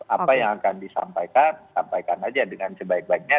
apa yang akan disampaikan sampaikan aja dengan sebaik baiknya